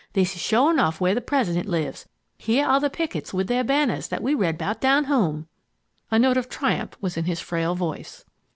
This is sure enough where the President lives; here are the pickets with their banners that we read about down home.'' A note of triumph was in his frail voice.